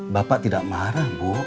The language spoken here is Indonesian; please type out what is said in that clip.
bapak tidak marah bu